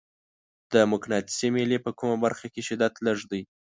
د مقناطیسي میلې په کومه برخه کې شدت لږ دی؟